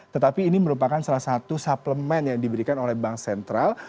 tetapi ini merupakan salah satu suplemen yang diberikan oleh bank sentral